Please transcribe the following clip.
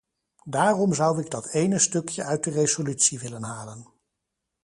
Daarom zou ik dat ene stukje uit de resolutie willen halen.